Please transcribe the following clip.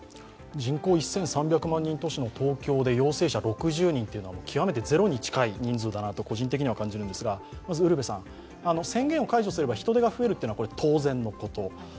人口１３００万都市の東京で陽性者６０人というのはゼロに近い人数だなと個人的には感じるんですが宣言を解除すれば人出が増えるのは当然のこと。